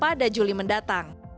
pada juli mendatang